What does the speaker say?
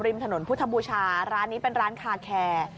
ริมถนนพุทธบูชาร้านนี้เป็นร้านคาแคร์